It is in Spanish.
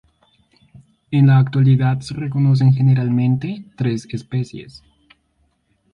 En la actualidad se reconocen generalmente tres especies.